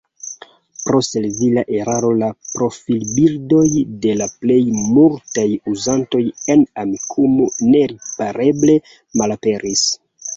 Pro servila eraro la profilbildoj de la plej multaj uzantoj en Amikumu neripareble malaperis.